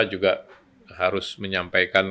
juga harus menyampaikan